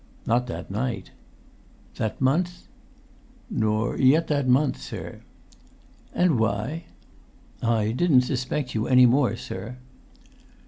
"Not that night." "That month?" "Nor yet that month, sir." [Pg 163]"And why?" "I didn't suspect you any more, sir."